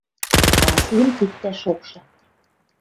Васлим пӱктӓ шокшы